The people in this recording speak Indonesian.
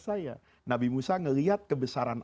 saya nabi musa ngeliat kebesaran